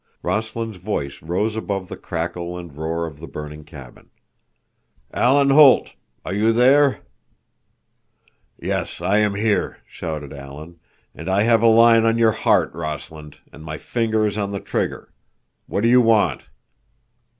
Rossland's voice rose above the crackle and roar of the burning cabin. "Alan Holt! Are you there?" "Yes, I am here," shouted Alan, "and I have a line on your heart, Rossland, and my finger is on the trigger. What do you want?"